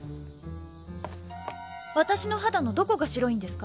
わたしの肌のどこが白いんですか？